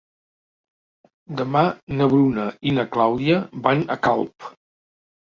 Demà na Bruna i na Clàudia van a Calp.